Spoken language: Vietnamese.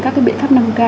các biện pháp năm k